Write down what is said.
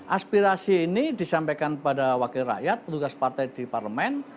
aspirasi ini disampaikan pada wakil rakyat petugas partai di parlemen